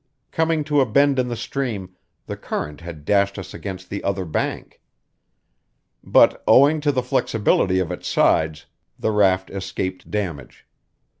Coming to a bend in the stream, the current had dashed us against the other bank. But, owing to the flexibility of its sides, the raft escaped damage.